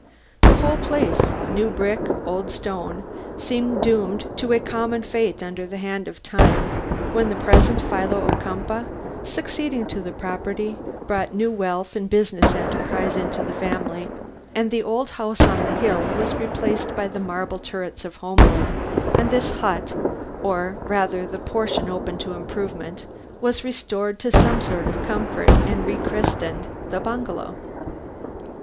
The whole place new brick and old stone seemed doomed to a common fate under the hand of time, when the present Philo Ocumpaugh, succeeding to the property, brought new wealth and business enterprise into the family, and the old house on the hill was replaced by the marble turrets of Homewood, and this hut or rather the portion open to improvement was restored to some sort of comfort, and rechristened the bungalow.